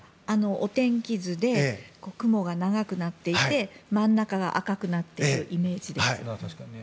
お天気図で雲が長くなっていて真ん中が赤くなっているイメージです。